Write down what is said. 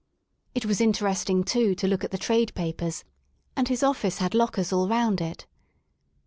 It was interesting, too, to look at the Trade Papers, and his office had lockers all round it.